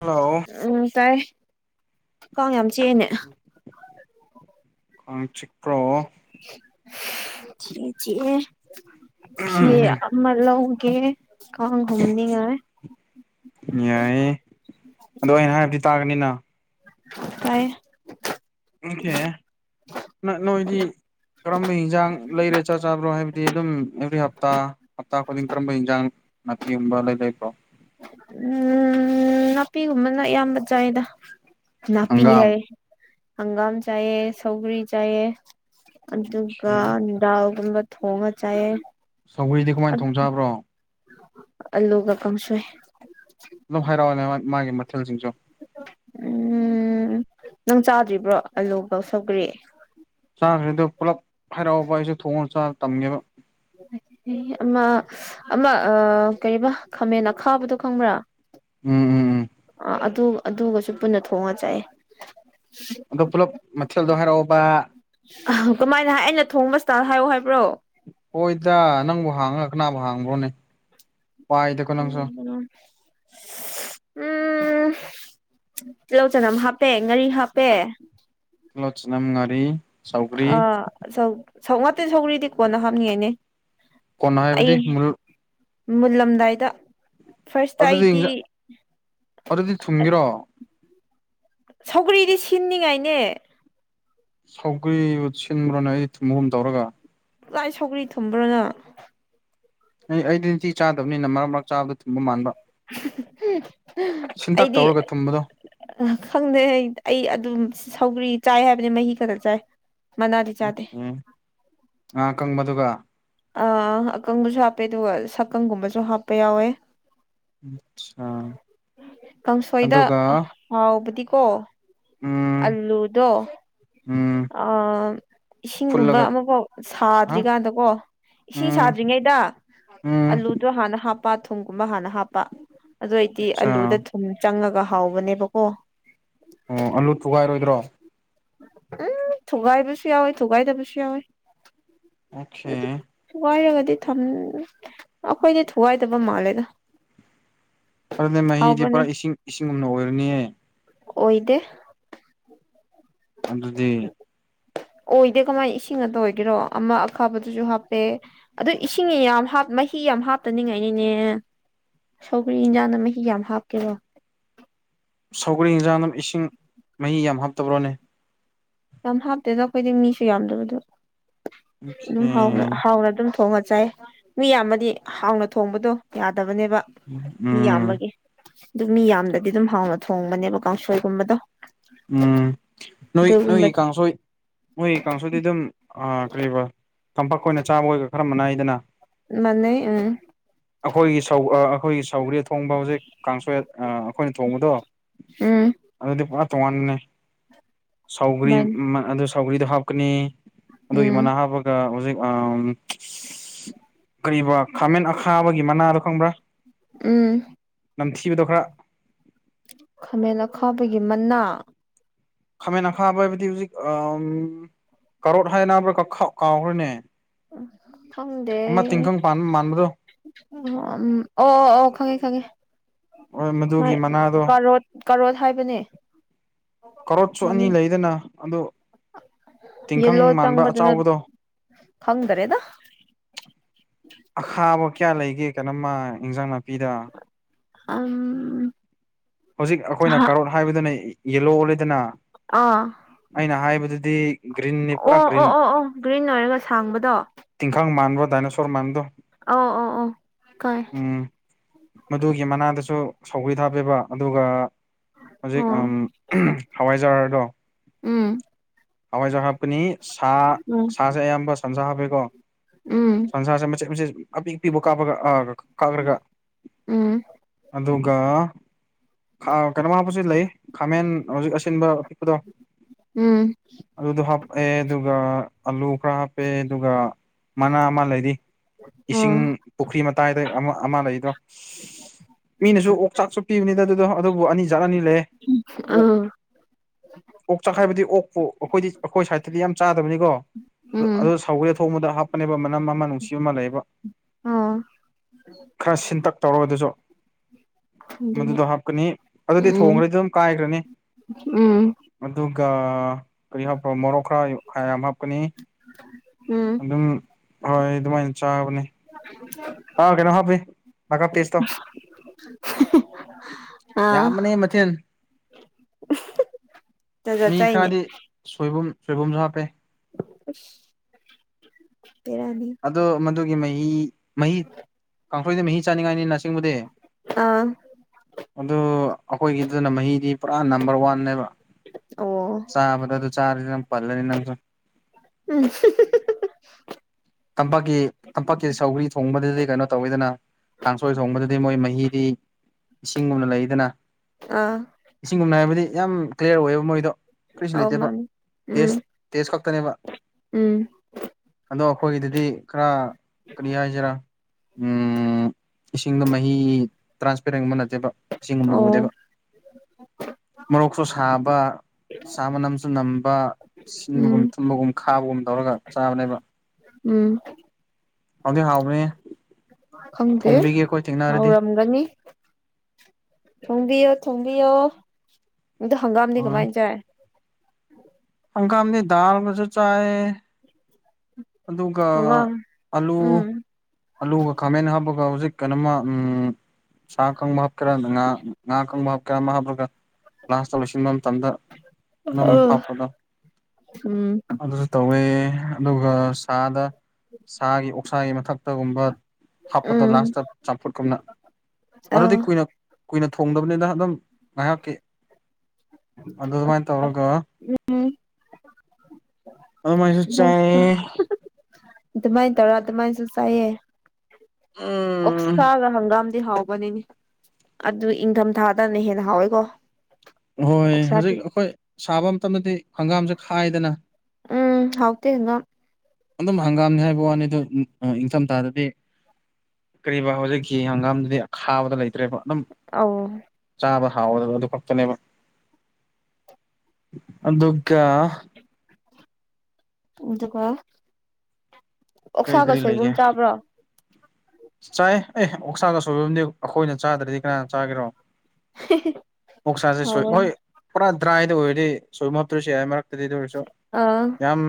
hello ꯎꯝ ꯇꯥꯏ ꯀꯥꯡ ꯌꯥꯝ ꯆꯤꯛꯑ°ꯅꯦ ꯀꯪ ꯆꯤꯄ꯭ꯔꯣ [unintelligible] ꯆꯤꯛꯑꯦ ꯋꯤꯛꯑꯦ [unintelligible] ꯑꯃ ꯂꯧꯒꯦ ꯀꯥꯡ ꯍꯨꯝꯅꯤꯡꯉꯥꯏ ꯌꯥꯏꯌꯦ ꯑꯗꯣ ꯑꯩꯅ ꯍꯥꯏꯕꯗꯤ ꯇꯥꯒꯅꯤꯅ ꯇꯥꯏꯌꯦ ꯑꯣꯀꯦ ꯅ ꯅꯣꯏꯗꯤ ꯀꯔꯝꯕ ꯍꯟꯖꯥꯡ ꯂꯩꯔꯦ ꯆꯥ ꯆꯥꯕ꯭ꯔꯣ ꯍꯥꯏꯕꯗꯤ ꯑꯗꯨꯝ ꯑꯦꯚ꯭ꯔꯤ ꯍꯞꯇꯥ ꯍꯞꯇꯥ ꯈꯨꯗꯤꯡ ꯀꯔꯝꯕ ꯏꯟꯖꯥꯡ ꯅꯥꯄꯤꯒꯨꯝꯕ ꯂꯩ ꯂꯩꯀ꯭ꯔꯣ ꯎꯝ ꯅꯥꯄꯤꯒꯨꯝꯕꯅ ꯑꯌꯥꯝꯕ ꯆꯥꯏꯗ ꯅꯥꯄꯤ ꯍꯪꯒꯥꯝ ꯍꯥꯏ ꯍꯪꯒꯥꯝ ꯆ ꯁꯧꯒꯔꯤ ꯆꯌꯦ ꯑꯗꯨꯒ ꯑꯣꯀꯦ ꯗꯥꯜꯒꯨꯝꯕ ꯊꯣꯡꯉ ꯆꯥꯏꯑ ꯆꯧꯒ꯭ꯔꯤꯗꯤ ꯀꯃꯥꯏꯅ ꯊꯣꯡꯖꯥꯕ꯭ꯔꯣ ꯑꯜꯂꯨ ꯒ ꯀꯪꯁꯣꯏ ꯑꯗꯨꯝ ꯍꯔꯥꯎꯅꯦ ꯃꯥꯒꯤ ꯃꯊꯦꯜꯁꯤꯡꯁꯨ ꯎꯝ ꯅꯪ ꯆꯥꯗ꯭ꯔꯤꯕ꯭ꯔꯣ ꯑꯂꯨꯒ ꯁꯧꯒ꯭ꯔꯤ ꯆꯥꯈ꯭ꯔꯦꯗ ꯄꯨꯂꯞ ꯍꯔꯥꯎꯕ ꯑꯩꯁꯨ ꯊꯣꯡꯑꯒ ꯆꯥꯔ ꯇꯝꯒꯦꯕ ꯑꯃ ꯑꯃ ꯀꯔꯤꯕ ꯈꯥꯃꯦꯟ ꯑ ꯈꯥꯕꯗꯣ ꯈꯪꯕ꯭ꯔꯥ ꯎꯝ ꯎꯝ ꯎꯝ ꯑꯥ ꯑꯗꯨ ꯑꯗꯨꯒꯁꯨ ꯄꯨꯟꯅ ꯊꯣꯡꯉ ꯆꯥꯏ ꯑꯗꯣ ꯄꯨꯜꯂꯞ ꯃꯊꯦꯜꯗꯣ ꯍꯥꯏꯔꯛꯑꯣꯕ ꯑ ꯀꯃꯥꯏꯅ ꯍꯥꯏ ꯑꯩꯅ ꯊꯣꯡꯕꯕꯁꯤꯇꯥ ꯍꯥꯏꯌꯣ ꯍꯥꯏꯕ꯭ꯔꯣ ꯍꯣꯏ ꯏꯗ ꯅꯪꯕꯨ ꯍꯥꯡꯉꯒ ꯀꯅꯥꯕꯨ ꯍꯥꯡꯕ꯭ꯔꯣꯅꯦ ꯋꯥꯏꯗꯀꯣ ꯅꯪꯁꯨ ꯑ ꯎꯝ ꯇꯤꯜꯍꯧ ꯆꯅꯝ ꯍꯥꯞꯄꯦ ꯉꯥꯔꯤ ꯍꯥꯞꯄꯦ ꯂꯣꯆꯅꯝ ꯉꯔꯤ ꯑ ꯁ ꯁ ꯉꯇ ꯁꯧꯔꯤꯗꯤ ꯀꯣꯟꯅ ꯍꯥꯞꯅꯤꯡꯉꯥꯏꯅꯦ ꯀꯣꯟꯅ ꯑꯩ ꯍꯥꯏꯕꯗꯤ ꯃꯨꯜ ꯃꯨꯜꯂꯝꯗꯥꯏꯗ ꯐꯥꯔꯁꯇ ꯑꯗꯨꯗꯤ ꯑꯩꯗꯤ ꯑꯗꯨꯗꯤ ꯊꯨꯝꯒꯤꯔꯣ ꯁꯧꯒ꯭ꯔꯤꯗꯤ ꯁꯤꯟꯅꯤꯉꯥꯏꯅꯦ ꯁꯧꯒꯔꯤ ꯁꯤꯟꯕ꯭ꯔꯣꯅꯦ ꯑꯩ ꯊꯨꯝꯒꯨꯝ ꯇꯧꯔꯒ ꯂꯥꯏ ꯁꯧꯒ꯭ꯔꯤ ꯊꯨꯝꯕ꯭ꯔꯣꯅ ꯑꯦ ꯑꯩꯗꯤꯇꯤ ꯆꯥꯗꯕꯅꯤꯅ ꯃꯔꯛ ꯃꯔꯛ ꯆꯥꯕꯗ ꯊꯨꯝꯕ ꯃꯥꯟꯕ ꯁꯤꯦꯟꯇꯥꯛ ꯑꯩꯗꯤ ꯇꯧꯔꯒ ꯊꯝꯕꯗꯣ ꯈꯪꯗꯦ ꯑꯩ ꯑꯗꯨꯝ ꯁꯧꯒ꯭ꯔꯤ ꯆꯥꯏ ꯍꯥꯏꯕꯅꯤ ꯃꯍꯤ ꯈꯛꯇ ꯆꯥꯏ ꯃꯅꯥꯗꯤ ꯆꯥꯗꯦ ꯎꯦ ꯉꯍꯥ ꯀꯪꯕꯗꯨꯒ ꯑ ꯑꯀꯪꯕꯁꯨ ꯍꯥꯞꯄꯦ ꯑꯗꯨꯒ ꯁꯛꯀꯪꯒꯨꯝꯕꯁꯨ ꯍꯥꯞꯄ ꯌꯥꯎꯋꯦ ꯀꯥꯡꯁꯣꯏꯗ ꯑꯗꯨꯒ ꯍꯥꯎꯕꯗꯤꯀꯣ ꯎꯝ ꯑꯜꯂꯗꯣ ꯎꯝ ꯑ ꯏꯁꯤꯡꯒꯨꯝꯕ ꯐꯨꯠꯂꯒ ꯑꯃꯐꯥꯎ ꯍꯥ ꯁꯥꯗ꯭ꯔꯤꯀꯥꯟꯗꯀꯣ ꯏꯁꯤꯡ ꯎꯝ ꯁꯥꯗ꯭ꯔꯤꯉꯩꯗ ꯎꯝ ꯑꯂꯨꯗ ꯑꯗꯨꯣ ꯍꯥꯟꯅ ꯍꯥꯞꯄ ꯊꯨꯝꯒꯨꯝꯕ ꯍꯥꯟꯅ ꯍꯥꯞꯄ ꯑꯗꯨ ꯑꯣꯏꯏꯗꯤ ꯑꯆꯥ ꯑꯂꯨꯗ ꯎꯨꯝ ꯆꯪꯉꯒ ꯍꯥꯎꯕꯅꯦꯕꯀꯣ ꯑꯣ ꯑꯥꯜꯂꯨ ꯊꯨꯒꯥꯏꯔꯣꯏꯗ꯭ꯔꯣ ꯎꯝ ꯊꯨꯒꯥꯏꯕꯁꯨ ꯌꯥꯎꯋꯤ ꯊꯨꯒꯥꯏꯗꯕꯁꯨ ꯌꯥꯎꯋꯤ ꯑꯣꯀꯦ ꯊꯨꯒꯥꯏꯔꯒꯗꯤ ꯑꯩꯈꯣꯏꯗꯤ ꯊꯨꯒꯥꯏꯗꯕ ꯃꯥꯜꯂꯦꯗꯣ ꯑꯗꯨꯗꯤ ꯃꯍꯤꯗꯤ ꯄꯨꯔꯥ ꯏꯁꯤꯡ ꯏꯁꯤꯡꯒꯨꯝꯅ ꯑꯣꯏꯔꯅꯤꯌꯦ ꯑꯣꯏꯗꯦ ꯑꯗꯨꯗꯗꯤ ꯑꯣꯏꯗꯦ ꯀꯃꯥꯏꯅ ꯏꯁꯤꯡ ꯑ ꯑꯣꯏꯒꯦꯔꯣ ꯑꯃ ꯑꯈꯥꯕꯗꯨꯁꯨ ꯍꯥꯞꯄꯦ ꯑꯗꯨ ꯏꯁꯤꯡ ꯌꯥꯝ ꯃꯍꯤ ꯌꯥꯝ ꯍꯥꯞꯇꯅꯤꯡꯉꯥꯏꯅꯤꯅꯦ ꯁꯧꯒꯔꯤ ꯏꯟꯖꯥꯡꯅ ꯃꯍꯤ ꯌꯥꯝ ꯍꯥꯞꯀꯦꯔꯣ ꯁꯧꯒꯔꯤ ꯌꯦꯟꯁꯥꯡ ꯑꯗꯨ ꯏꯁꯤꯡ ꯃꯍꯤ ꯌꯥꯝ ꯍꯥꯞꯇꯕ꯭ꯔꯣꯅꯦ ꯌꯥꯝ ꯍꯥꯞꯇꯦꯗ ꯑꯩꯈꯣꯏꯗꯤ ꯃꯤꯁꯨ ꯌꯥꯝꯗꯕꯗꯣ ꯑꯗꯨꯝ ꯑꯣꯀꯦ ꯍꯥꯎꯅ ꯑꯗꯨꯝ ꯍꯣꯡꯉ ꯆꯥꯏ ꯃꯤ ꯌꯥꯝꯕꯗꯤ ꯍꯥꯎꯅ ꯊꯣꯡꯕꯗꯣ ꯌꯥꯗꯕꯅꯦꯕ ꯃꯤ ꯎꯝ ꯌꯥꯝꯕꯒꯤ ꯑꯗꯨ ꯃꯤ ꯌꯥꯝꯗꯗꯤ ꯑꯗꯨꯝ ꯍꯥꯎꯅ ꯊꯣꯡꯕꯅꯦꯕ ꯀꯥꯡꯁꯣꯏꯒꯨꯝꯕꯗꯣ ꯎꯝ ꯅꯣꯏ ꯑꯗꯨꯒꯨꯝꯕ ꯅꯣꯏꯒꯤ ꯀꯥꯡꯁꯣꯏ ꯅꯣꯏꯒꯤ ꯀꯥꯡꯁꯣꯏꯗꯤ ꯑꯗꯨꯝ ꯀꯔꯤꯕ ꯇꯝꯄꯥꯛꯛꯣꯏ ꯑꯣꯏꯅ ꯆꯥꯕꯒ ꯈꯔꯝꯕꯅꯏꯗꯅ ꯃꯅꯤ ꯎꯝ ꯑꯩꯈꯣꯏꯒꯤ ꯁꯧ ꯑꯩꯈꯣꯏꯒꯤ ꯁꯧꯒꯔꯤ ꯊꯣꯡꯕ ꯍꯧꯖꯤꯛ ꯀꯥꯡꯁꯣꯏ ꯑꯩꯈꯣꯏꯅ ꯊꯣꯡꯕꯗꯣ ꯎꯝ ꯑꯗꯨꯗꯤ ꯄꯨꯔꯥ ꯇꯣꯉꯥꯟꯕꯅꯦ ꯁꯥꯎꯒ꯭ꯔꯤ ꯀꯃꯥꯏꯅ ꯑꯗꯨ ꯁꯥꯎꯒ꯭ꯔꯤꯗꯣ ꯍꯥꯞꯀꯅꯤ ꯑꯗꯨꯒꯤ ꯎꯝ ꯃꯅꯥ ꯍꯥꯞꯄꯒ ꯍꯧꯖꯤꯛ ꯀꯔꯤꯕ ꯈꯥꯃꯦꯟ ꯑꯈꯥꯕꯒꯤ ꯃꯅꯥꯗꯣ ꯈꯪꯕ꯭ꯔꯥ ꯎꯝ ꯅꯝꯊꯤꯕꯗꯣ ꯈꯔ ꯈꯥꯃꯦꯟ ꯑꯈꯥꯕꯒꯤ ꯃꯅꯥ ꯈꯥꯃꯦꯟ ꯈꯥꯕ ꯍꯥꯏꯕꯗꯤ ꯍꯧꯖꯤꯛ ꯀꯔꯣꯠ ꯍꯥꯏ ꯕ꯭ꯔꯥ ꯀꯥꯎꯈ꯭ꯔꯦꯅꯦ ꯎ ꯈꯪꯗꯦ ꯑꯃ ꯇꯤꯡꯈꯪ ꯄꯥꯟꯕ ꯃꯥꯟꯕꯗꯣ ꯎꯝ ꯑꯣ ꯑꯣ ꯑꯣ ꯈꯪꯉꯦ ꯈꯪꯉꯦ ꯃꯥꯏ ꯃꯗꯨꯒꯤ ꯃꯅꯥꯗꯣ ꯀꯔꯣ ꯀꯔꯣ ꯍꯥꯏꯕꯅꯦ ꯀꯔꯣꯠꯁꯨ ꯑꯅꯤ ꯃꯃꯤꯡ ꯂꯩꯗꯅ ꯑꯗꯨ ꯇꯤꯡꯈꯪ ꯌꯦꯂꯣ ꯃꯥꯟꯕ ꯆꯪꯕꯗꯨꯅ ꯑꯆꯕꯗꯣ ꯈꯪꯗꯔꯦꯗ [unintelligible] ꯑꯈꯥꯕ ꯀꯌꯥ ꯂꯩꯒꯦ ꯀꯩꯅꯣꯃ ꯏꯟꯖꯥꯡ ꯅꯥꯄꯤꯗ ꯑꯝ ꯍꯧꯖꯤꯛ ꯑꯩꯈꯣꯏꯅ ꯀꯥꯔꯣꯠ ꯍꯥꯏꯕꯗꯨꯅ ꯌꯦꯂꯣ ꯑꯣꯜꯂꯗꯅ ꯑꯥ ꯑꯩꯅ ꯍꯥꯏꯕꯗꯨꯗꯤ ꯒ꯭ꯔꯤꯟꯅꯤ ꯄꯨꯔꯥ ꯑꯣ ꯒ꯭ꯔꯤꯟ ꯑꯣ ꯑꯣ ꯑꯣ ꯒ꯭ꯔꯤꯟ ꯑꯣꯏꯔꯒ ꯁꯥꯡꯕꯗꯣ ꯇꯤꯡꯈꯥꯡ ꯃꯥꯟꯕꯣ ꯗꯥꯏꯅꯣꯁꯣꯔ ꯃꯥꯟꯕꯗꯣ ꯑꯣ ꯑꯣ ꯑꯣ ꯈꯪꯉꯦ ꯎꯝ ꯃꯗꯨꯒꯤ ꯃꯅꯥꯗꯨꯁꯨ ꯁꯧꯒ꯭ꯔꯤꯗ ꯍꯥꯞꯄꯦꯕ ꯑꯗꯨꯒ ꯍꯧꯖꯤꯛ ꯍꯋꯥꯏꯖꯥꯔꯗꯣ ꯍꯋꯥꯏꯖꯔ ꯍꯥꯞꯄꯅꯤ ꯁꯥ ꯁꯥꯁꯦ ꯑꯌꯥꯝꯕ ꯁꯟꯁꯥ ꯍꯥꯞꯄꯦꯀꯣ ꯁꯟꯁꯥꯁꯦ ꯃꯆꯦꯠ ꯃꯆꯦꯠ ꯑꯄꯤ ꯑꯄꯤꯕ ꯀꯥꯞꯄꯒ ꯀꯛꯔꯒ ꯎꯝ ꯑꯗꯨꯒ ꯀꯩꯅꯣꯝ ꯍꯥꯞꯄꯁꯨ ꯂꯩ ꯈꯥꯃꯦꯟ ꯍꯧꯖꯤꯛ ꯑꯁꯤꯟꯕ ꯑꯗꯣ ꯑꯗꯨꯗꯣ ꯍꯥꯞꯑꯦ ꯑꯗꯨꯒ ꯑꯂꯨ ꯈꯔ ꯍꯥꯞꯄꯦ ꯑꯗꯨꯒ ꯃꯅꯥ ꯑꯃ ꯂꯩꯔꯤ ꯏꯁꯤꯡ ꯄꯨꯈ꯭ꯔꯤ ꯃꯇꯥꯏꯗ ꯑꯃ ꯑꯃ ꯂꯩꯔꯤꯗꯣ ꯃꯤꯅꯁꯨ ꯑꯣꯛ ꯆꯥꯛꯁꯨ ꯄꯤꯕꯅꯤꯗ ꯑꯗꯨꯗꯣ ꯑꯗꯨꯕꯨ ꯑꯅꯤꯖꯥꯠ ꯑꯅꯤ ꯂꯩꯌꯦ ꯑꯣꯛꯆꯥꯛ ꯍꯥꯏꯕꯗꯤ ꯑꯣꯛꯄꯨ ꯑꯩꯈꯣꯏꯗꯤ ꯑꯩꯈꯣꯏ ꯁꯥꯏ꯭ꯗꯠꯇꯗꯤ ꯌꯥꯝ ꯆꯥꯗꯕꯅꯤꯀꯣ ꯑꯗꯨ ꯁꯧꯒꯔꯤ ꯑꯊꯣꯡꯕꯗ ꯍꯥꯞ ꯆꯕꯅꯦꯕ ꯃꯅꯝ ꯑꯃ ꯅꯨꯡꯁꯤꯕ ꯑꯃ ꯂꯩꯕ ꯈꯔ ꯁꯤꯟꯇꯛ ꯇꯧꯔꯒ ꯑꯗꯨꯁꯨ ꯃꯗꯨꯗꯣ ꯍꯥꯞꯀꯅꯤ ꯑꯗꯨꯗꯤ ꯊꯣꯡꯈ꯭ꯔꯗꯤ ꯑꯗꯨꯝ ꯀꯥꯏꯈ꯭ꯔꯅꯤ ꯑꯗꯨꯒ ꯀꯔꯤ ꯍꯥꯞꯄ꯭ꯔꯣ ꯃꯣꯔꯣꯛ ꯈꯔ ꯌꯥꯝ ꯍꯥꯞꯀꯅꯤ ꯎꯝ ꯑꯗꯨꯝ ꯍꯣꯏ ꯑꯗꯨꯃꯥꯏꯅ ꯆꯥꯕꯅꯦ [inaudible] ꯑ ꯀꯩꯅꯣ ꯍꯥꯞꯄꯤ ꯃꯈꯥ ꯄꯤꯁ ꯇꯣ [unintelligible] ꯌꯥꯝꯕꯅꯤ ꯃꯊꯦꯜ ꯖꯥꯠ ꯖꯥꯠ ꯃꯤ ꯆꯥꯏꯅꯦ ꯈꯔꯗꯤ ꯁꯣꯏꯕꯨꯝ ꯁꯣꯏꯕꯨꯝꯁꯨ ꯍꯥꯞꯄꯦ ꯎꯁ ꯕꯦꯔꯅꯤ ꯑꯗꯣ ꯃꯗꯨꯒꯤ ꯃꯍꯤ ꯃꯍꯤ ꯀꯥꯡꯈꯣꯏꯗ ꯃꯍꯤ ꯆꯥꯅꯤꯡꯉꯥꯏꯅꯤꯅ [unintelligible] ꯑꯥ ꯑꯗꯨ ꯑꯩꯈꯣꯏꯒꯤꯗꯨꯅ ꯃꯍꯤꯗꯤ ꯄꯨꯔꯥ ꯅꯝꯕꯔ ꯋꯥꯟꯅꯦꯕ ꯑꯣ ꯆꯥꯕꯗ ꯑꯗꯨ ꯆꯥꯔꯗꯤ ꯅꯪ ꯄꯜꯂꯅꯤ ꯅꯪꯁꯨ ꯎꯝ ꯇꯝꯄꯥꯛꯀꯤ ꯇꯝꯄꯥꯛꯀꯤ ꯁꯧꯒ꯭ꯔꯤ ꯊꯣꯡꯕꯗꯗꯤ ꯀꯩꯅꯣ ꯇꯧꯋꯤꯗꯅ ꯀꯥꯡꯁꯣꯏ ꯊꯣꯡꯕꯗꯗꯤ ꯃꯣꯏ ꯃꯍꯤꯗꯤ ꯏꯁꯤꯡꯒꯨꯝꯅ ꯂꯩꯗꯅ ꯑꯥ ꯏꯁꯤꯡꯒꯨꯝꯅ ꯍꯥꯏꯕꯗꯤ ꯌꯥꯝ ꯀ꯭ꯂꯤꯌꯥꯔ ꯑꯣꯏꯌꯦꯕ ꯃꯣꯏꯗꯣ ꯀꯔꯤꯁꯨ ꯑꯧ ꯂꯩꯇꯦꯕ ꯃꯥꯅꯤ ꯎꯝ ꯇꯦꯁ ꯇꯦꯁ ꯈꯛꯇꯅꯦꯕ ꯎꯝ ꯑꯗꯣ ꯑꯩꯈꯣꯏꯒꯤꯗꯗꯤ ꯈꯔ ꯀꯔꯤ ꯍꯥꯏꯖꯤꯔꯥ ꯏꯁꯤꯡꯗꯣ ꯃꯍꯤ ꯇ꯭ꯔꯥꯟꯁꯄꯦꯔꯦꯟ ꯒꯨꯝꯕ ꯅꯠꯇꯦꯕ ꯏꯁꯤꯡ ꯒꯨꯝꯅ ꯑꯣ ꯎꯗꯦꯕ [unintelligible] ꯃꯔꯣꯛꯁꯨ ꯁꯥꯕ ꯁꯥ ꯃꯅꯝꯁꯨ ꯅꯝꯕ ꯁꯤꯟꯕꯒꯨꯝ ꯎꯝ ꯊꯨꯝꯕꯒꯨꯝ ꯈꯥꯕꯒꯨꯝ ꯇꯧꯔꯒ ꯆꯥꯕꯅꯦꯕ ꯎꯝ ꯍꯥꯎꯗꯤ ꯍꯥꯎꯕꯅꯦꯍꯦ ꯈꯪꯗꯦ ꯊꯦꯡꯅꯔꯗꯤ ꯍꯥꯎꯔꯝꯒꯅꯤ ꯊꯣꯡꯕꯤꯌꯣ ꯊꯣꯡꯕꯤꯌꯣ ꯑꯗꯣ ꯍꯪꯒꯥꯝꯗꯤ ꯍꯣꯏ ꯀꯃꯥꯏꯅ ꯆꯥꯏ ꯍꯪꯒꯥꯝꯗꯤ ꯗꯥꯜꯒꯖꯨ ꯆꯥꯌꯦ ꯑꯗꯨꯒ ꯍꯪꯒꯥꯝ ꯑꯂꯨ ꯎꯝ ꯑꯂꯨꯒ ꯈꯥꯃꯦꯟ ꯍꯥꯞꯄꯒ ꯍꯧꯖꯤꯛ ꯀꯩꯅꯣꯃ ꯎꯝ ꯁꯥ ꯀꯪꯕ ꯍꯥꯞꯀꯦꯔ ꯉ ꯉꯥꯀꯪꯕ ꯍꯥꯞꯀꯦꯔ ꯑꯃ ꯍꯥꯞꯄꯂꯒ ꯂꯥꯁꯇ ꯂꯣꯏꯁꯤꯟꯕ ꯃꯇꯝꯗ ꯅꯝ ꯍꯥꯞꯄꯗꯣ ꯎꯝ ꯑꯗꯨꯁꯨ ꯇꯧꯋꯦ ꯑꯗꯨꯒ ꯁꯥꯗ ꯁꯥꯒꯤ ꯑꯣꯛꯁꯥꯒꯤ ꯃꯊꯛꯇꯒꯨꯝꯕ ꯍꯥꯞꯄꯗ ꯎꯝ ꯂꯥꯁꯇ ꯆꯝꯐꯨꯠ ꯀꯅ ꯑꯗꯨꯗꯤ ꯑꯥ ꯀꯨꯏꯅ ꯀꯨꯏꯅ ꯊꯣꯡꯗꯕꯅꯤꯅ ꯑꯗꯨꯝ ꯉꯥꯏꯍꯥꯛꯀꯤ ꯑꯗꯨꯃꯥꯏꯅ ꯇꯧꯔꯒ ꯎꯝ ꯑꯗꯨꯃꯥꯏꯅꯁꯨ ꯆꯥꯏꯌꯦ ꯑꯗꯨꯃꯥꯏꯅ ꯇꯧꯔ ꯑꯗꯨꯃꯥꯏꯅꯁꯨ ꯆꯥꯏꯌꯦ ꯎꯝ ꯎꯛꯁꯥꯒ ꯍꯪꯒꯥꯝꯗꯤ ꯍꯥꯎ ꯑꯗꯨ ꯏꯪꯊꯝꯊꯥꯗꯅ ꯍꯦꯟꯅ ꯍꯥꯎꯋꯦꯀꯣ ꯍꯣꯏ ꯑꯣꯛꯁꯥꯗꯤ ꯍꯧꯖꯤꯛ ꯑꯩꯈꯣꯏ ꯁꯥꯕ ꯃꯇꯝꯗꯗꯤ ꯍꯪꯒꯥꯝꯁꯦ ꯈꯥꯏꯗꯅ ꯎꯝ ꯍꯥꯎꯇꯦ ꯑꯗꯨꯝ ꯍꯪꯒꯥꯝꯅꯤ ꯍꯥꯏꯕ ꯋꯥꯅꯤ ꯑꯗꯨ ꯏꯪꯊꯝꯊꯥꯗꯗꯤ ꯀꯔꯤꯕ ꯍꯧꯖꯤꯛ ꯍꯪꯒꯥꯝꯗꯨꯗꯤ ꯑꯈꯥꯕꯗ ꯂꯩꯇ꯭ꯔꯦꯕ ꯑꯗꯨꯝ ꯑꯧ ꯆꯥꯕ ꯍꯥꯎꯗꯕ ꯑꯗꯨ ꯈꯛꯇꯅꯦꯕ ꯑꯗꯨꯒ ꯑꯗꯨꯒ ꯀꯔꯤ ꯑꯣꯛꯁꯥꯒ ꯀꯔꯤ ꯁꯣꯏꯕꯨꯝ ꯂꯩꯒꯦ ꯆꯥꯕ꯭ꯔꯣ ꯆꯥꯏ ꯑꯦ ꯑꯣꯛꯁꯥꯒ ꯁꯣꯏꯕꯨꯝꯒ ꯑꯩꯈꯣꯏꯅ ꯆꯥꯗ꯭ꯔꯗꯤ ꯀꯅꯥꯅ ꯆꯥꯒꯦꯔꯣ ꯑꯣꯛꯁꯥꯁꯦ ꯁꯣꯏ ꯍꯥꯎꯕꯅꯤ ꯍꯣꯏ ꯄꯨꯔꯥ ꯗ꯭ꯔꯥꯏꯗ ꯑꯣꯏꯔꯗꯤ ꯁꯣꯏꯕꯨꯝ ꯍꯥꯞꯇ꯭ꯔꯁꯨ ꯌꯥꯏ ꯃꯔꯛ ꯇꯗꯤꯗ ꯑꯣꯏꯔꯁꯨ ꯑꯥ ꯌꯥꯝ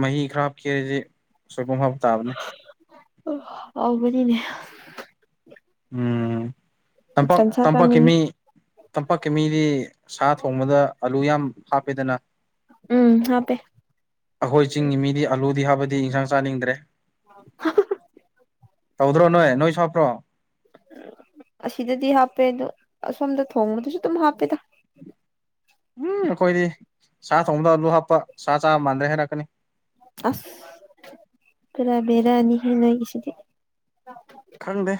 ꯃꯍꯤ ꯈꯔ ꯍꯥꯞꯈꯤꯔꯁꯤ ꯑꯁꯣꯏꯕꯨꯝ ꯍꯥꯞ ꯇꯥꯕꯅꯦ ꯍꯥꯎꯕꯅꯤꯅꯦ ꯎꯝ ꯇꯝꯄꯥꯛ ꯁꯟꯁꯥ ꯇꯝꯄꯥꯛꯀꯤ ꯆꯥꯅꯤꯡꯉꯦ ꯃꯤ ꯇꯝꯄꯥꯛꯀꯤ ꯃꯤꯗꯤ ꯁꯥ ꯊꯣꯡꯕꯗ ꯑꯂꯨ ꯌꯥꯝ ꯍꯥꯞꯄꯦꯗꯅ ꯎꯝ ꯍꯥꯄꯦ ꯑꯩꯈꯣꯏ ꯆꯤꯡꯒꯤ ꯃꯤꯗꯤ ꯑꯂꯨꯗꯤ ꯍꯥꯕꯗꯤ ꯏꯟꯁꯥꯡ ꯆꯥꯅꯤꯡꯗ꯭ꯔꯦ ꯍꯍꯍ [unintelligible] ꯇꯧꯗ꯭ꯔꯣ ꯅꯣꯏ ꯅꯣꯏ ꯁꯨ ꯍꯥꯞꯄ꯭ꯔꯣ ꯑꯁꯤꯗꯗꯤ ꯍꯥꯞꯄꯦ ꯑꯗꯣ ꯑꯁꯣꯝꯗ ꯊꯣꯡꯕꯗꯨꯁꯨ ꯑꯗꯨꯝ ꯍꯥꯞꯄꯦꯗ ꯎꯝ ꯑꯩꯈꯣꯏꯗꯤ ꯁꯥ ꯊꯣꯡꯗ ꯑꯂꯨ ꯍꯥꯞꯄ ꯁꯥ ꯆꯥꯕ ꯃꯥꯟꯗ꯭ꯔꯦ ꯍꯥꯏꯔꯛꯀꯅꯤ ꯑꯁ ꯄꯨꯔꯥ ꯕꯦꯔꯥꯅꯤꯍꯦ ꯅꯣꯏꯒꯤꯁꯤꯗꯤ ꯈꯪꯗꯦ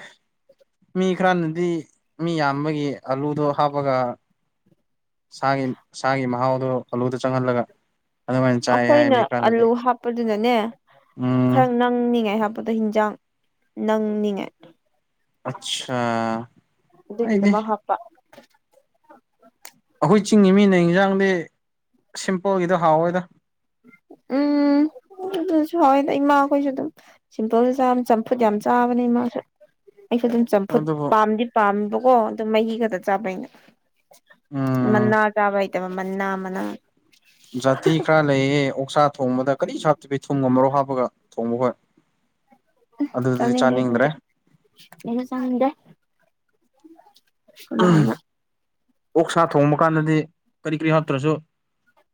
ꯃꯤ ꯈꯔꯅꯗꯤ ꯃꯤ ꯌꯥꯝꯕꯒꯤ ꯑꯂꯨꯗꯣ ꯍꯥꯞꯄꯒ ꯁꯥꯒꯤ ꯁꯥꯒꯤ ꯃꯍꯥꯎꯗꯣ ꯑꯂꯨꯗ ꯆꯪꯍꯜꯂꯒ ꯑꯗꯨꯃꯥꯏꯅ ꯆꯥꯏ ꯍꯥꯏ ꯑꯩꯈꯣꯏꯅ ꯃꯤ ꯈꯔꯅꯗꯤ ꯑꯂꯨ ꯍꯥꯞꯄꯗꯨꯅꯅꯦ ꯎꯝ ꯈꯔ ꯅꯪꯅꯤꯉꯥꯏ ꯍꯥꯞꯄ ꯄꯗ ꯍꯤꯟꯖꯥꯡ ꯅꯪꯅꯤꯡꯉꯥꯢ ꯑꯠꯁꯥ ꯑꯩꯗꯤ [unintelligible] ꯑꯩꯈꯣꯏ ꯆꯤꯡꯒꯤ ꯃꯤꯅ ꯌꯦꯟꯖꯥꯡꯗꯤ ꯁꯤꯝꯄꯜꯒꯤꯗ ꯍꯥꯎꯋꯦꯗ ꯎꯝ ꯑꯗꯨꯁꯨ ꯍꯋꯦꯗ ꯏꯃꯥꯈꯣꯏꯁꯨ ꯑꯗꯨꯝ ꯁꯤꯝꯄꯜ ꯆꯥ ꯆꯝꯐꯨꯠ ꯌꯥꯝ ꯆꯥꯕꯅꯦ ꯏꯃꯥꯁꯨ ꯑꯩꯁꯨ ꯑꯗꯨꯝ ꯆꯝꯐꯨꯠ ꯑꯗꯨꯕꯨ ꯄꯥꯝꯗꯤ ꯄꯥꯕꯀꯣ ꯑꯗꯨꯝ ꯃꯍꯤ ꯈꯛꯇ ꯆꯥꯕꯩꯅ ꯎꯝ ꯃꯅꯥ ꯆꯥꯕꯏꯇꯕ ꯃꯅꯥ ꯃꯅꯥ ꯖꯥꯇꯤ ꯈꯔ ꯂꯩꯌꯦ ꯑꯣꯛꯁꯥ ꯊꯣꯡꯕꯗ ꯀꯔꯤ ꯁꯥꯞꯇꯕꯤ ꯊꯨꯝ ꯑꯃꯔꯣ ꯍꯥꯞꯄꯒ ꯊꯣꯡꯕ ꯍꯣꯏ ꯆꯅꯤꯡꯗꯦ ꯗꯨꯗꯤ [unintelligible] ꯅꯥ ꯑꯣꯛ ꯁꯥ ꯊꯣꯡꯕ ꯀꯥꯟꯗꯗꯤ ꯀꯔꯤ ꯀꯔꯤ ꯍꯥꯞꯇ꯭ꯔꯁꯨ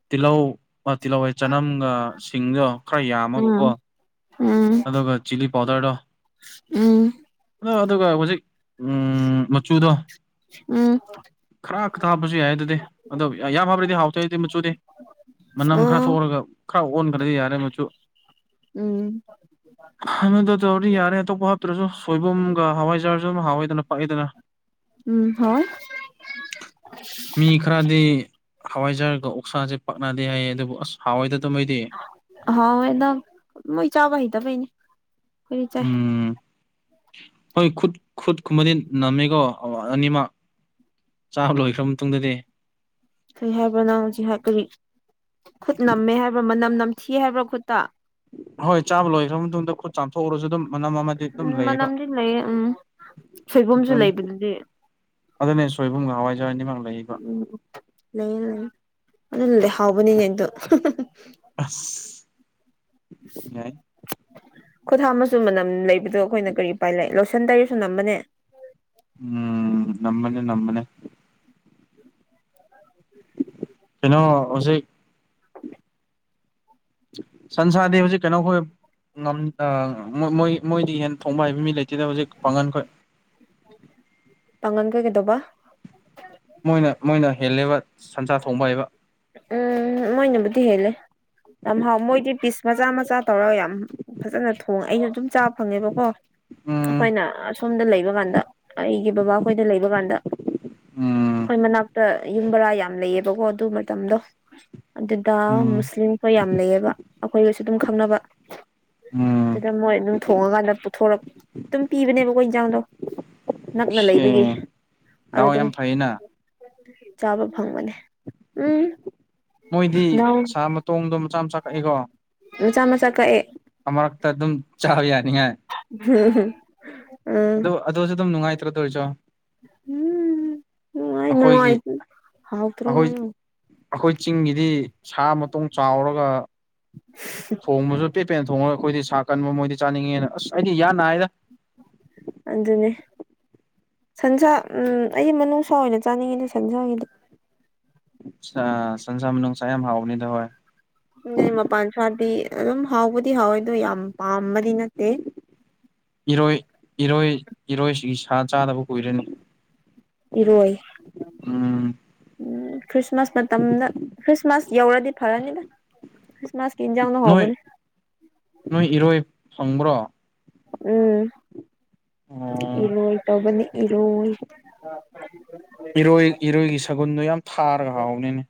ꯇꯤꯜꯍꯧ ꯃꯥ ꯇꯤꯜꯍꯧꯋꯥꯏ ꯆꯅꯝꯒ ꯁꯤꯡꯗꯣ ꯈꯔ ꯎꯝ ꯌꯥꯝꯃꯒꯀꯣ ꯎꯝ ꯑꯗꯨꯒ ꯆꯤꯂꯤ ꯄꯥꯎꯗꯔꯗꯣ ꯎꯝ ꯑꯗ ꯑꯗꯨꯒ ꯍꯧꯖꯤꯛ ꯑ ꯃꯆꯨꯗꯣ ꯎꯝ ꯈꯔ ꯈꯛꯇ ꯍꯥꯞꯕꯁꯨ ꯌꯥꯏ ꯑꯗꯨꯗꯤ ꯑꯗꯣ ꯌꯥꯝ ꯍꯥꯕ꯭ꯔꯗꯤ ꯍꯥꯎꯇꯦ ꯑꯗꯨꯗꯤ ꯃꯆꯨꯗꯤ ꯃꯅꯝ ꯈꯔ ꯎꯝ ꯊꯣꯛꯔꯒ ꯈꯔ ꯑꯣꯟꯈ꯭ꯔꯗꯤ ꯌꯥꯔꯦ ꯃꯆꯨ ꯎꯝ ꯍꯗ ꯇꯧꯔꯗꯤ ꯌꯥꯔꯦ ꯑꯇꯣꯞꯄ ꯍꯥꯞꯇ꯭ꯔꯁꯨ ꯁꯣꯏꯕꯨꯝꯒ ꯍꯋꯥꯏꯖꯥꯔꯁꯨ ꯑꯃ ꯍꯥꯎꯋꯏꯗꯅ ꯄꯥꯛꯏꯗꯅ ꯎꯝ ꯍꯥꯎ ꯃꯤ ꯈꯔꯗꯤ ꯍꯋꯥꯏꯖꯥꯔꯒ ꯑꯣꯛꯁꯥꯁꯦ ꯄꯥꯛꯅꯗꯦ ꯍꯥꯏꯌꯦ ꯑꯗꯨꯕꯨ ꯑꯁ ꯍꯋꯥꯏꯗ ꯑꯗꯨ ꯃꯩꯗꯤ ꯍꯥꯎ ꯑꯦꯗ ꯃꯣꯏ ꯆꯥꯕꯍꯤꯗꯕꯅꯤ ꯎꯝ ꯍꯣꯏ ꯈꯨꯠ ꯈꯨꯠ ꯀꯨꯝꯕꯗꯤ ꯅꯝꯃꯦꯀꯣ ꯑꯣ ꯑꯅꯤꯃꯛ ꯆꯥꯕ ꯂꯣꯏꯈ꯭ꯔ ꯃꯇꯨꯡꯗꯗꯤ ꯀꯩ ꯍꯥꯏꯕ꯭ꯔꯅꯪ ꯍꯧꯖꯤꯛ ꯀꯔꯤ ꯈꯨꯠ ꯅꯝꯃꯦ ꯍꯥꯏꯕ꯭ꯔꯥ ꯃꯅꯝ ꯅꯝꯊꯤ ꯍꯥꯏꯕ꯭ꯔꯥ ꯈꯨꯠꯇ ꯍꯣꯏ ꯆꯥꯕ ꯂꯣꯏꯈ꯭ꯔꯕ ꯃꯇꯨꯡꯗ ꯈꯨꯠ ꯆꯥꯝꯊꯣꯛꯎꯔꯁꯨ ꯑꯗꯨꯝ ꯃꯅꯝ ꯑꯃꯗꯤ ꯑꯗꯨꯝ ꯎꯝ ꯂꯩ ꯃꯅꯝꯗꯤ ꯂꯩꯌꯦ ꯎꯝ ꯁꯣꯏꯕꯨꯝꯁꯨ ꯑꯗꯨꯅꯤ ꯂꯩꯕꯗꯨꯗꯤ ꯑꯗꯨꯅꯦ ꯁꯣꯏꯕꯨꯝꯒ ꯍꯋꯥꯏꯖꯋꯥꯏꯅꯤꯃꯛ ꯂꯩ ꯎꯝ ꯂꯩꯌꯦ ꯂꯩꯌꯦ ꯑꯗꯨꯅ ꯂꯩ ꯍꯥꯎꯕꯅꯤꯅꯦ ꯑꯩꯗꯣ ꯑꯥ ꯎꯝ ꯈꯨꯣꯊꯥ ꯃꯁꯨꯨ ꯃꯅꯝ ꯂꯩꯕꯗꯣ ꯑꯩꯈꯣꯏꯅ ꯀꯔꯤ ꯎꯄꯥꯏ ꯂꯩ ꯂꯣꯏꯁꯟ ꯇꯔꯁꯨ ꯅꯝꯕꯅꯦ ꯎꯝ ꯅꯝꯕꯅꯦ ꯅꯝꯕꯅꯦ ꯀꯩꯅꯣ ꯍꯧꯖꯤꯛ ꯁꯟꯁꯥꯗꯤ ꯍꯧꯖꯤꯛ ꯀꯩꯅꯣꯈꯣꯏ ꯣꯏ ꯃꯣꯏ ꯃꯣꯏꯗꯤ ꯍꯦꯟꯅ ꯊꯣꯡꯕ ꯍꯥꯏꯕ ꯃꯤ ꯂꯩꯇꯦꯗ ꯍꯧꯖꯤꯛ ꯄꯥꯡꯒꯟꯈꯣꯏ ꯄꯥꯡꯒꯟ ꯀꯩ ꯀꯩꯗꯧꯕ ꯃꯣꯏꯅ ꯃꯣꯏꯅ ꯍꯦꯜꯂꯦꯕ ꯁꯟꯖꯥ ꯊꯣꯡꯕ ꯍꯥꯏꯕ ꯎꯝ ꯃꯣꯏꯅꯕꯨꯗꯤ ꯍꯂꯦ ꯌꯥꯝ ꯍꯥꯎ ꯃꯣꯏꯗꯤ ꯄꯤꯁ ꯃꯆꯥ ꯃꯆꯥ ꯇꯧꯔꯒ ꯌꯥꯝ ꯐꯖꯅ ꯊꯣꯡꯉꯦ ꯑꯩꯅ ꯑꯗꯨꯝ ꯆ ꯐꯪꯉꯦꯕ ꯀꯣ ꯎꯝ ꯑꯩꯈꯣꯏꯅ ꯑꯁꯣꯝꯗ ꯂꯩꯕ ꯀꯥꯟꯗ ꯑꯩꯒꯤ ꯕꯕꯥ ꯑꯩꯈꯣꯏꯗ ꯂꯩꯕ ꯀꯥꯟꯗ ꯎꯝ ꯑꯩꯈꯣꯏ ꯃꯅꯥꯛꯇ ꯌꯨꯝꯕꯔꯥ ꯌꯥꯝ ꯂꯩꯌꯦꯕꯀꯣ ꯑꯗꯨ ꯃꯇꯝꯗꯣ ꯑꯗꯨꯗ ꯎꯝ ꯃꯨꯁꯂꯤꯝꯁꯨ ꯌꯥꯝ ꯂꯩꯌꯦꯕ ꯑꯩꯈꯣꯏꯒꯁꯨ ꯑꯗꯨꯝ ꯈꯪꯅꯕ ꯎꯝ ꯑꯗꯨꯗ ꯃꯣꯏ ꯑꯗꯨꯝ ꯊꯣꯡꯉꯀꯥꯟꯗ ꯄꯨꯊꯣꯔꯛ ꯑꯗꯨꯝ ꯄꯤꯕꯅꯦꯕꯀꯣ ꯏꯟꯖꯥꯡꯗꯣ ꯅꯛꯅ ꯁꯦ ꯂꯩꯕꯒꯤ ꯑꯗꯨ ꯗꯥꯎ ꯑꯗꯨꯝ ꯌꯥꯝ ꯐꯩꯅ ꯆꯥꯕ ꯐꯪꯕꯅꯦ ꯎꯝ ꯅꯎ ꯇꯣꯡꯗꯣ ꯃꯆꯥ ꯃꯆꯥ ꯀꯛꯦꯀꯣ ꯃꯆꯥ ꯃꯆꯥ ꯀꯛꯑꯦ ꯑꯃꯨꯔꯛꯇ ꯑꯗꯨꯝ ꯆꯥꯕ ꯌꯥꯅꯤꯉꯥꯏ ꯍꯝꯝ ꯑꯗꯨꯣ ꯑꯗꯨꯣꯁꯨ ꯑꯗꯨꯝ ꯅꯨꯡꯉꯥꯏꯇ꯭ꯔ ꯇꯣ ꯑꯣꯏꯔꯤꯖꯣ ꯅꯨꯡꯉꯥꯏ ꯑꯩꯈꯣꯏꯒꯤ ꯅꯨꯡꯉꯥꯏ ꯍꯥꯎꯇ꯭ꯔꯣ ꯑꯩꯈꯣꯏ ꯍꯥꯏꯌꯣ ꯑꯩꯈꯣꯏ ꯆꯤꯡꯒꯤꯗꯤ ꯁꯥ ꯃꯇꯣꯡ ꯆꯥꯎꯔꯒ ꯊꯣꯡꯕꯁꯨ ꯄꯦꯠꯄꯦꯅ ꯊꯣꯡꯉꯒ ꯑꯩꯈꯣꯏꯗꯤ ꯁꯥ ꯀꯟꯕ ꯃꯣꯏꯗꯤ ꯆꯥꯅꯤꯡꯉꯦꯅ ꯑꯁ ꯑꯩꯗꯤ ꯌꯥ ꯅꯥ ꯍꯥꯏꯗ ꯑꯗꯨꯅꯦ ꯁꯟꯁꯥ ꯑꯩ ꯃꯅꯨꯡꯅꯨꯡꯁꯥ ꯑꯣꯏꯅ ꯆꯥꯅꯤꯡꯉꯤꯅꯦ ꯁꯟꯁꯥꯒꯤꯗꯤ ꯁꯟꯁꯥ ꯅꯨꯡꯁꯥ ꯌꯥꯝ ꯍꯥꯎꯕꯅꯤꯗ ꯍꯣꯏ ꯅ ꯃꯄꯥꯟ ꯁꯥꯗꯤ ꯑꯗꯨꯝ ꯍꯥꯎꯕꯗꯤ ꯍꯥꯎꯋꯦ ꯑꯗꯨ ꯌꯥꯝ ꯄꯥꯝꯕꯗꯤ ꯅꯠꯇꯦ ꯏꯔꯣꯏ ꯏꯔꯣꯏ ꯏꯔꯣꯏꯁꯤꯒꯤ ꯁꯥ ꯆꯥꯗꯕ ꯀꯨꯏꯔꯅꯤ ꯏꯔꯣꯏ ꯎꯝ ꯎꯝ ꯈ꯭ꯔꯤꯁꯃꯥꯁ ꯃꯇꯝꯗ ꯈ꯭ꯔꯤꯁꯃꯥꯁ ꯌꯧꯔꯗꯤ ꯐꯔꯅꯤꯗ ꯈ꯭ꯔꯤꯁꯃꯥꯁ ꯀꯤꯟꯖꯅ ꯅꯣꯏ ꯍꯕꯅꯦ ꯅꯣꯏ ꯏꯔꯣꯏ ꯐꯪꯕ꯭ꯔꯣ ꯎꯝ ꯑꯣ ꯏꯔꯣ ꯏ ꯇꯧꯅꯤ ꯏꯂꯣ [unintelligible] ꯅꯣꯏ ꯏꯔꯣꯏꯒꯤ ꯁꯒꯨꯟꯗꯣ ꯌꯥꯝ ꯊꯥꯔꯒ ꯍꯥꯎꯕꯅꯤꯅꯦ